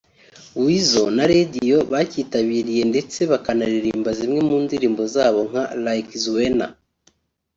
Weasel na Radio bacyitabiriye ndetse bakanaririmba zimwe mu ndirimbo zabo nka like 'Zuena'